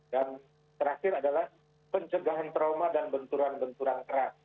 dan terakhir adalah pencegahan trauma dan benturan benturan keras